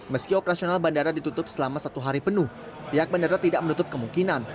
meski operasional bandara ditutup selama satu hari penuh pihak bandara tidak menutup kemungkinan